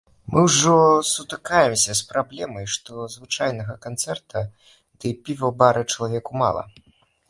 Мы ўжо сутыкаемся з праблемай, што звычайнага канцэрта ды піва ў бары чалавеку мала.